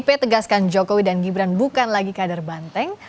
pdip tegaskan jokowi dan gibrane bukan lagi kadar banteng